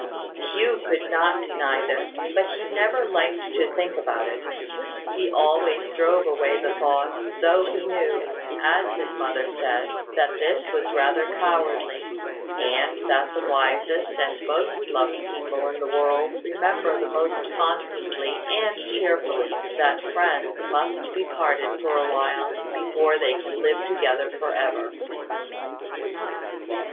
Hugh could not deny this; but he never liked to think about it: he always drove away the thought; though he knew, as his mother said, that this was rather cowardly, and that the wisest and most loving people in the world remember the most constantly and cheerfully that friends must be parted for a while, before they can live together for ever.